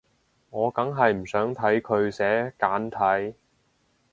我梗係唔想睇佢寫簡體